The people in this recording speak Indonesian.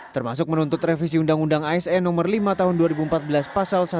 termasuk menuntut revisi undang undang asn nomor lima tahun dua ribu empat belas pasal satu ratus delapan puluh